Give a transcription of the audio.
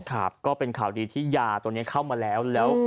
ครับก็เป็นข่าวดีที่ยาตัวนี้เข้ามาแล้วแล้ว